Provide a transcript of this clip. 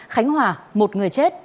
khánh hòa một người chết